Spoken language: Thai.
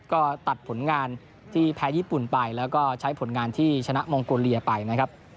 ก็ตัดผลงานที่แพ้ญี่ปุ่นไปแล้วก็ใช้ผลงานที่ชนะมองโกเลียไปนะครับ